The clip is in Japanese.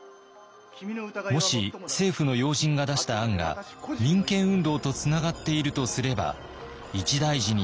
もし政府の要人が出した案が民権運動とつながっているとすれば一大事になりかねません。